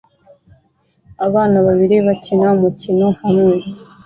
Abana babiri bakina umukino hamwe